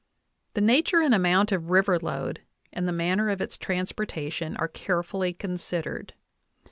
The nature and amount of river load and the manner of its transportation are carefully considered.